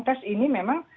tentu ini memang